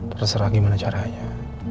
terserah gimana caranya